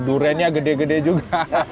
duriannya gede gede juga